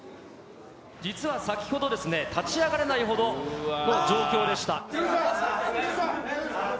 実は先ほどですね、立ち上がれないほどの状況でした。